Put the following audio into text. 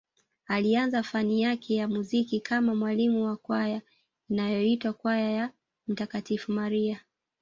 Alianza fani yake ya muziki kama mwalimu wa kwaya inayoitwa kwaya ya mtakatifu Maria